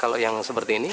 kalau yang seperti ini